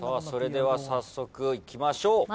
それでは早速いきましょう。